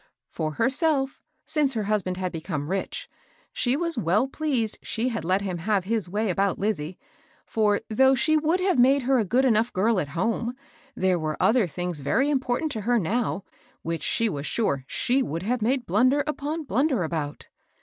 For her self, since her husband had become rich, she was well pleased she had let him have his way about Lizie ; for, though she would have made her a good enough girl at home, there were other things very important to her now, which she was sure she would have made blunder upon blunder about.